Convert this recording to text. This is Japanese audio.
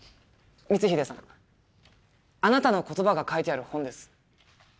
光秀さんあなたの言葉が書いてある本です。